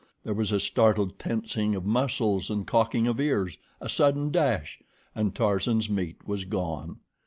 There was a startled tensing of muscles and cocking of ears, a sudden dash, and Tarzan's meat was gone.